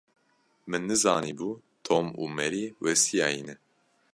Min nizanîbû Tom û Mary westiyayî ne.